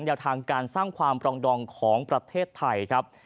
แนวทางการสร้างความปรองดองของประเทศไทยครับ